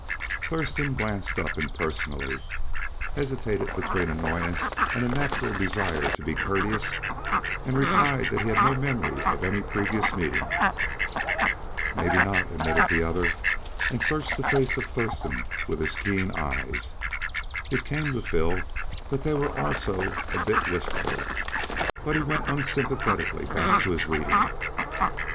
Thurston glanced up impersonally, hesitated between annoyance and a natural desire to, be courteous, and replied that he had no memory of any previous meeting. "Mebby not," admitted the other, and searched the face of Thurston with his keen eyes. It came to Phil that they were also a bit wistful, but he went unsympathetically back to his reading.